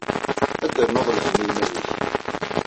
Ad d-ternuḍ lhemm i iman-ik.